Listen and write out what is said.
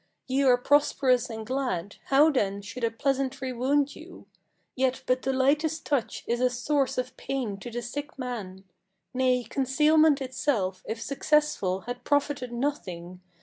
Ye are prosperous and glad; how then should a pleasantry wound you? Yet but the lightest touch is a source of pain to the sick man. Nay, concealment itself, if successful, had profited nothing.